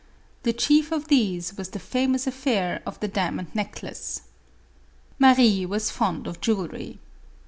The chief of these was the famous affair of the diamond necklace. Marie was fond of jewelry.